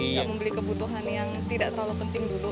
nggak membeli kebutuhan yang tidak terlalu penting dulu